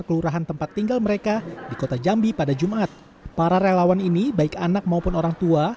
kelurahan tempat tinggal mereka di kota jambi pada jumat para relawan ini baik anak maupun orang tua